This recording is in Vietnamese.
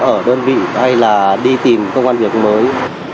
ở đơn vị hay là đi tìm công an việc mới